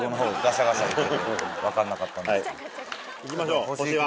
いきましょう星は？